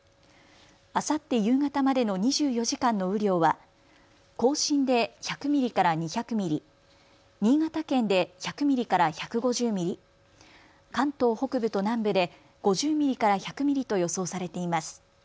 あさって夕方までの２４時間の雨量は甲信で１００ミリから２００ミリ、新潟県で１００ミリから１５０ミリ、関東北部と南部で５０ミリから１００ミリと予想されています。